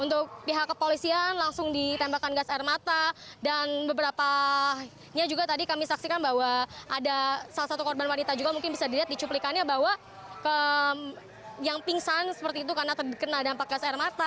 untuk pihak kepolisian langsung ditembakkan gas air mata dan beberapanya juga tadi kami saksikan bahwa ada salah satu korban wanita juga mungkin bisa dilihat dicuplikannya bahwa yang pingsan seperti itu karena terkena dampak gas air mata